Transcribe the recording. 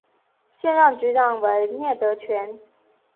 现任局长为聂德权。